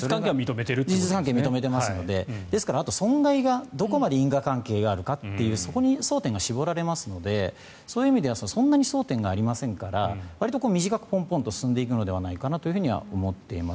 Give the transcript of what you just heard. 事実関係は認めていますのでですから、あと損害がどこまで因果関係があるかというそこに争点が絞られますのでそういう意味ではそんなに争点がありませんからわりと短くポンポンと進んでいくのではないかなと思います。